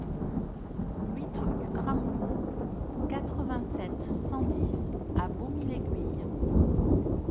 huit rue du Cramouloux, quatre-vingt-sept, cent dix à Bosmie-l'Aiguille